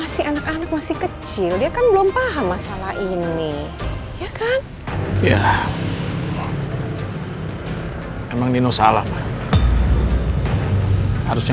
sampai jumpa di video selanjutnya